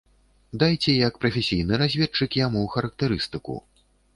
Дайце як прафесійны разведчык яму характарыстыку.